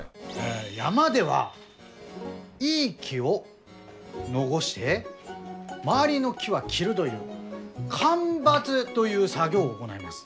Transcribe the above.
山ではいい木を残して周りの木は切るどいう間伐どいう作業を行います。